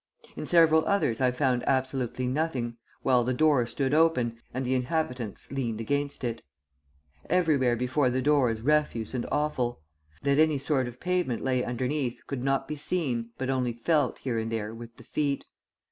In several others I found absolutely nothing, while the door stood open, and the inhabitants leaned against it. Everywhere before the doors refuse and offal; that any sort of pavement lay underneath could not be seen but only felt, here and there, with the feet.